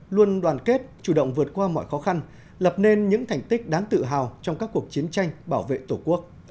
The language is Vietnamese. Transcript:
luôn đoàn kết chủ động vượt qua mọi khó khăn lập nên những thành tích đáng tự hào trong các cuộc chiến tranh bảo vệ tổ quốc